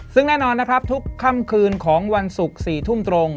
ซึ่งแน่นอนนะครับทุกค่ำคืนของวันศุกร์๔ทุ่มตรง